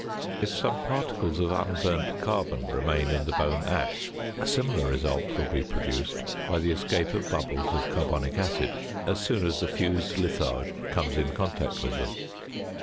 If some particles of unburnt carbon remain in the bone ash, a similar result will be produced by the escape of bubbles of carbonic acid as soon as the fused litharge comes in contact with them.